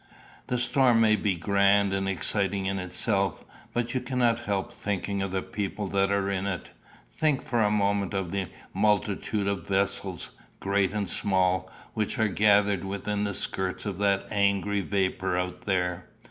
The storm may be grand and exciting in itself, but you cannot help thinking of the people that are in it. Think for a moment of the multitude of vessels, great and small, which are gathered within the skirts of that angry vapour out there.